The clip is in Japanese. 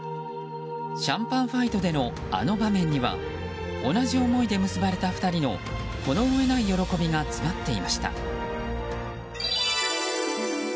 シャンパンファイトでのあの場面には同じ思いで結ばれた２人のこの上ない喜びが詰まっていました。